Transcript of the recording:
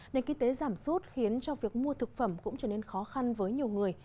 nền kinh tế giảm sút khiến cho việc mua thực phẩm cũng trở nên khó khăn với nhiều người